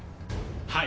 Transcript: はい。